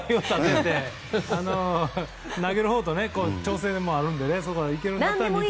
投げるほうと調整もあるので。